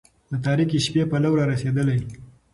د تاريكي شپې پلو را رسېدلى